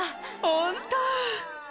本当？